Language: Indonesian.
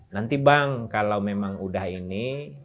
nanti bang kalau memang udah ini